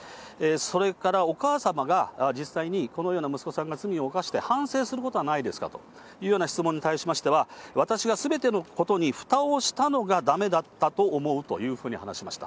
それからお母様が実際にこのような、息子さんが罪を犯して反省することはないですかというような質問に対しましては、私がすべてのことにふたをしたのがだめだったと思うというふうに話しました。